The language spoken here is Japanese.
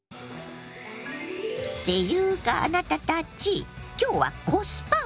ていうかあなたたち今日は「コスパ」おかずよ。